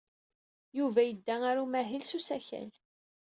Yuba yedda ɣer umahil s usakal.